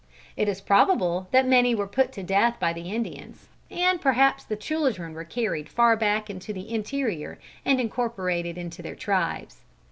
It is probable that many were put to death by the Indians, and perhaps the children were carried far back into the interior and incorporated into their tribes.